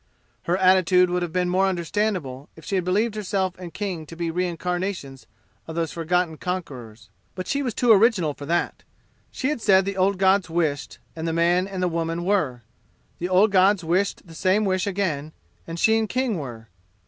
Her attitude would have been more understandable if she had believed herself and King to be reincarnations of those forgotten conquerors; but she was too original for that. She had said the old gods wished, and the man and the woman were; the old gods wished the same wish again, and she and King were.